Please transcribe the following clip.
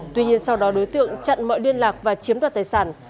tuy nhiên sau đó đối tượng chặn mọi liên lạc và chiếm đoạt tài sản